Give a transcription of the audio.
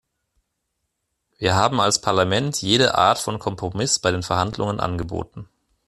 Wir haben als Parlament jede Art von Kompromiss bei den Verhandlungen angeboten.